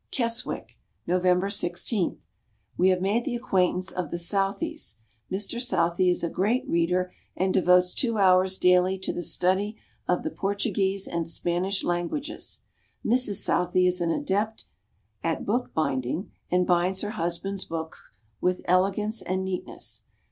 Keswick, November 16. We have made the acquaintance of the Southeys. Mr Southey is a great reader and devotes two hours daily to the study of the Portuguese and Spanish languages. Mrs Southey is an adept at book binding and binds her husband's books with elegance and neatness.